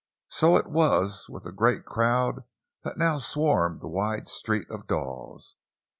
So it was with the great crowd that now swarmed the wide street of Dawes.